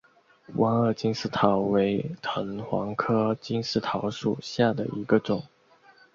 弯萼金丝桃为藤黄科金丝桃属下的一个种。